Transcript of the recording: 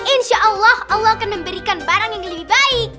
insya allah allah akan memberikan barang yang lebih baik